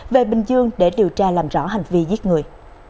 về bình dương để điều tra làm rõ hành vi giết người